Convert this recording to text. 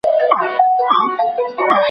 نصیب ثاقب